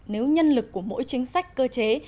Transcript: nếu nhân lực của mỗi chính sách cơ chế